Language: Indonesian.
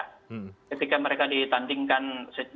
ketika mereka ditandingkan dengan angka angka lain